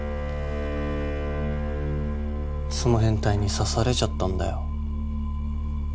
その変態に刺されちゃったんだよ。